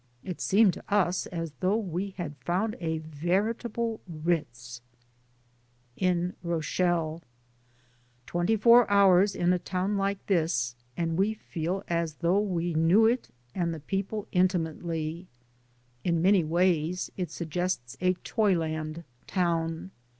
It seemed to us as though we had found a veritable Bitz I Digitized by LjOOQ IC jCHAPTEB XI IN BOCHELLE TWENTY FOUR hours in a town like this and we feel as though we knew it and the people intimately. In many ways it sug gests a toy land town.